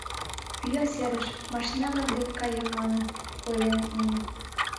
«Пӱа серыш, машина-влак дек каем ман», — ойленыт нуно.